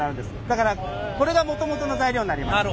だからこれがもともとの材料になります。